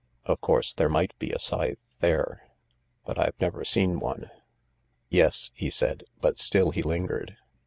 Of course, there might be a scythe there, but I've never seen one." " Yes," he said, but still he lingered.